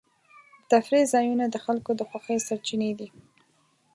د تفریح ځایونه د خلکو د خوښۍ سرچینې دي.